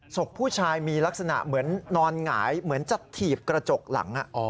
ศพผู้ชายมีลักษณะเหมือนนอนหงายเหมือนจะถีบกระจกหลัง